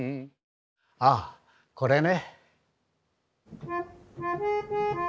あこれね。